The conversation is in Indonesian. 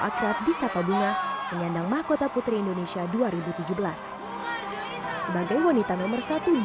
akrab di sapa bunga penyandang mahkota putri indonesia dua ribu tujuh belas sebagai wanita nomor satu di